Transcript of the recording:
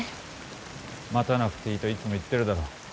待たなくていいといつも言っているだろう？